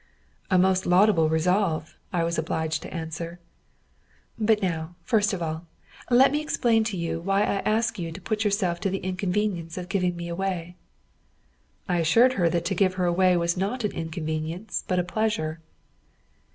"A most laudable resolve," I was obliged to answer. "But now, first of all, let me explain to you why I ask you to put yourself to the inconvenience of giving me away." I assured her that to give her away was not an inconvenience, but a pleasure.